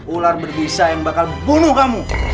ular berbisa yang bakal bunuh kamu